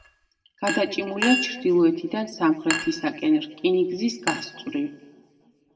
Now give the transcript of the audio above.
გადაჭიმულია ჩრდილოეთიდან სამხრეთისაკენ, რკინიგზის გასწვრივ.